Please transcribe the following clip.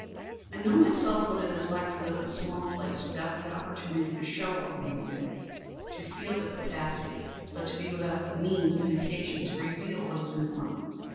I know myself what it is to have lived in a small place without the opportunity to show what one could do; to feel the capacity, but to be without the means and occasion to reveal what is in one.